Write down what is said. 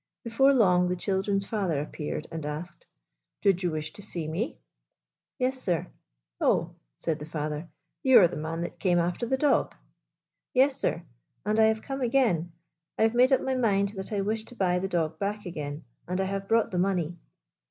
Before long the chil dren's father appeared and asked :" Did you wish to see me ?"" Yes, sir." " Oh," said the father, " you are the man that came after the dog." " Yes, sir. And I have come again. I have made up my mind that I wish to buy the dog back again, and I have brought the money."